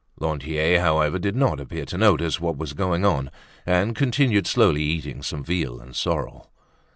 Lantier, however, did not appear to notice what was going on and continued slowly eating some veal and sorrel.